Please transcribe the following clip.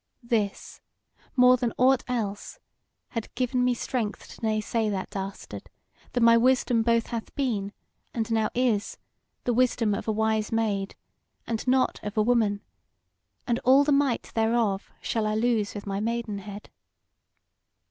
This, more than aught else, had given me strength to nay say that dastard, that my wisdom both hath been, and now is, the wisdom of a wise maid, and not of a woman, and all the might thereof shall I lose with my maidenhead.